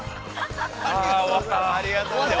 ◆ありがとうございます。